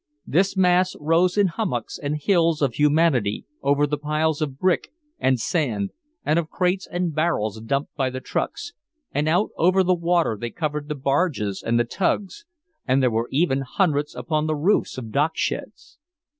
This mass rose in hummocks and hills of humanity over the piles of brick and sand and of crates and barrels dumped by the trucks, and out over the water they covered the barges and the tugs, and there were even hundreds upon the roofs of docksheds.